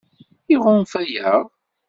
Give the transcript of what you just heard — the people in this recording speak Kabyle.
Iɣunfa-aɣ?